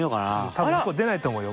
多分向こう出ないと思うよ。